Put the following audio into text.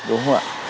đúng không ạ